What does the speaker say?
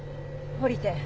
降りてよ！